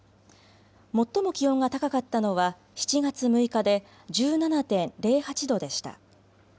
最も気温が高かったのは７月６日で１７．０８度でした。